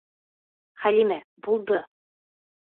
Хәлимә, булды!